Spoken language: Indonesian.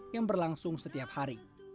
yang berlangsung setiap hari